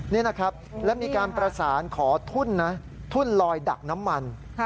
นี่นะครับแล้วมีการประสานขอทุ่นนะทุ่นลอยดักน้ำมัน